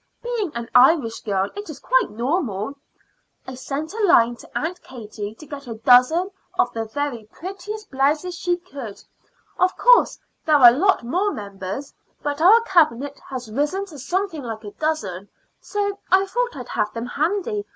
Being an Irish girl, it is quite natural. I sent a line to Aunt Katie to get a dozen of the very prettiest blouses she could. Of course there are a lot more members, but our Cabinet has risen to something like a dozen, so I thought I'd have them handy.